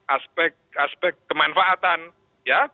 aspek aspek kemanfaatan ya